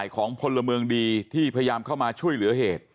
ของพลเมืองดีที่พยายามเข้ามาช่วยเหลือเหตุ